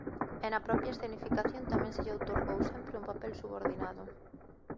E na propia escenificación tamén se lle outorgou sempre un papel subordinado.